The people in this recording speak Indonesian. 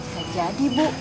bisa jadi bu